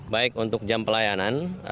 baik untuk jam pelayanan